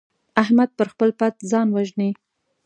احمد پر خپل پت ځان وژني.